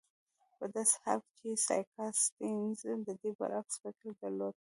په داسې حال کې چې سیاکا سټیونز د دې برعکس فکر درلود.